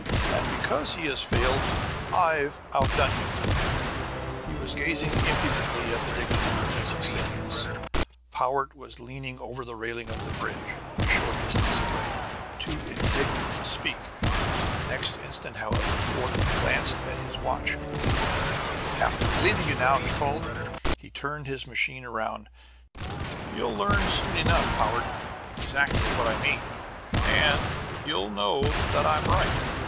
And because he has failed, I've outdone him." He was gazing impudently at the dictator as he said this; Powart was leaning over the railing of the bridge, a short distance away, too indignant to speak. Next instant, however, Fort glanced at his watch. "Have to be leaving you now," he called. He turned his machine around. "You'll learn soon enough, Powart, exactly what I mean. And you'll know that I'm right.